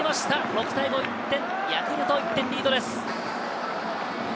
６対５、ヤクルト１点リードです。